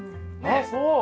あっそう。